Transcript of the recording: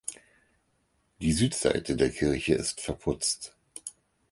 Die Südseite der Kirche ist verputzt.